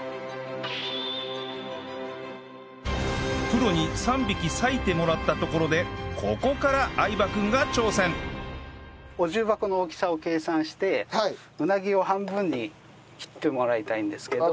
プロに３匹裂いてもらったところでここからお重箱の大きさを計算してうなぎを半分に切ってもらいたいんですけど。